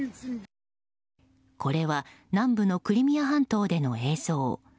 これは南部のクリミア半島での映像。